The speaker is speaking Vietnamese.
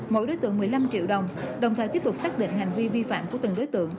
mỗi đối tượng một mươi năm triệu đồng đồng thời tiếp tục xác định hành vi vi phạm của từng đối tượng